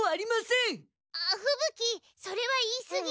あふぶ鬼それは言いすぎ。